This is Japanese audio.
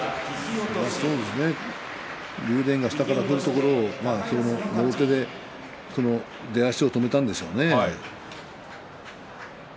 竜電が下からあたってくるところ両手で出足を止めたんでしょうね。